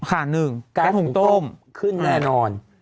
การกงกรหุ้มต้มขึ้นแน่นอน